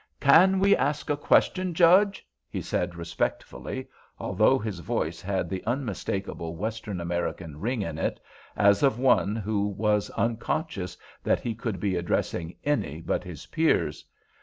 "Can we ask a question, Judge?" he said, respectfully, although his voice had the unmistakable Western American ring in it, as of one who was unconscious that he could be addressing any but his peers.